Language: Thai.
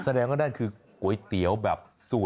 แสดงข้างด้านคือก๋วยเตี๋ยวแบบสูตรโบราณ